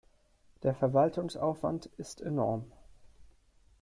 Der Verwaltungsaufwand ist enorm.